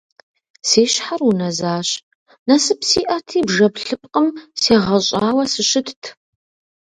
Си щхьэр унэзащ, насып сиӀэти бжэблыпкъым сегъэщӀауэ сыщытт.